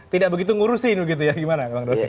tidak begitu ngurusin begitu ya gimana bang doli